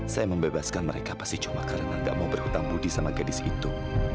saya membebaskan mereka pasti cuma karena gak mau berhutang budi sama gadis itu